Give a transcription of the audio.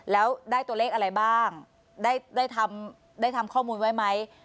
แล้วได้ตัวเลขอะไรบ้างได้ทำข้อมูลไว้ไหม